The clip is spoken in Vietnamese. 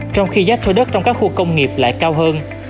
trong khi giá thuê đất trong các khu công nghiệp lại cao hơn